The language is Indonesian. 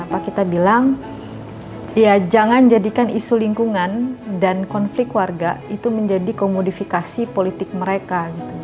apa kita bilang ya jangan jadikan isu lingkungan dan konflik warga itu menjadi komodifikasi politik mereka